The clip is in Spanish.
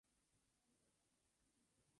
Bolsa de Comercio de la ciudad de Buenos Aires.